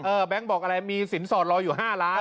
แบงค์บอกอะไรมีสินสอดรออยู่๕ล้าน